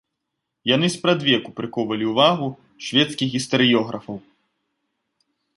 Яны спрадвеку прыкоўвалі ўвагу шведскіх гістарыёграфаў.